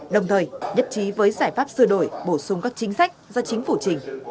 đồng thời nhất trí với giải pháp sửa đổi bổ sung các chính sách do chính phủ trình